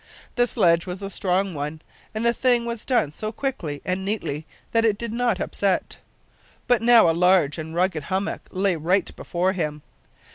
The sledge was a strong one, and the thing was done so quickly and neatly that it did not upset. But now a large and rugged hummock lay right before him.